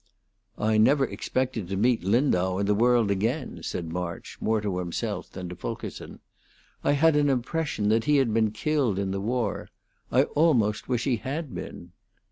"I never expected to meat Lindau in the world again," said March, more to himself than to Fulkerson. "I had an impression that he had been killed in the war. I almost wish he had been."